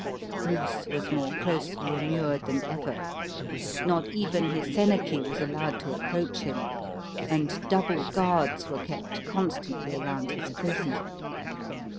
Burce was more closely immured than ever. Not even his senachie was allowed to approach him; and double guards were kept constantly around his prison.